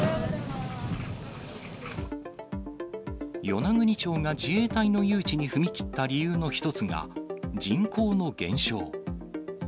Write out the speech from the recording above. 与那国町が自衛隊の誘致に踏み切った理由の一つが、人口の減少。